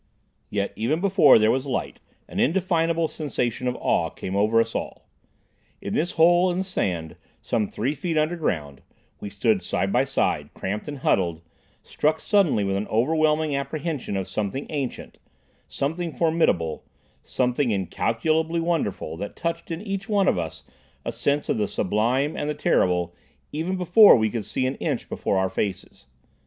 Yet even before there was light, an indefinable sensation of awe came over us all. In this hole in the sand, some three feet under ground, we stood side by side, cramped and huddled, struck suddenly with an over whelming apprehension of something ancient, something formidable, something incalculably wonderful, that touched in each one of us a sense of the sublime and the terrible even before we could see an inch before our faces.